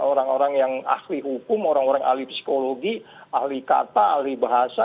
orang orang yang ahli hukum orang orang ahli psikologi ahli kata ahli bahasa